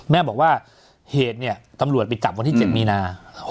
แม่บอกว่าเหตุเนี่ยตำรวจไปจับวันที่๗มีนา๖๖